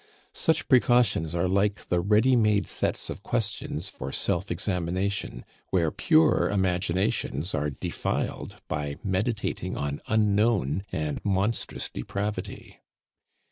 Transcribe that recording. Such precautions are like the ready made sets of questions for self examination, where pure imaginations are defiled by meditating on unknown and monstrous depravity.